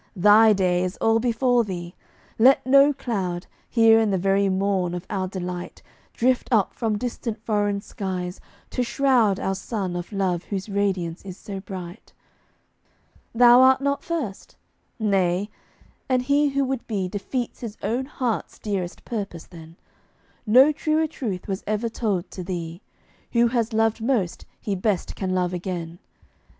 Thy day is all before thee. Let no cloud, Here in the very morn of our delight, Drift up from distant foreign skies, to shroud Our sun of love whose radiance is so bright. "Thou art not first?" Nay, and he who would be Defeats his own heart's dearest purpose then. No truer truth was ever told to thee Who has loved most, he best can love again.